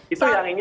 itu yang ini